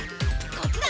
こっちだ！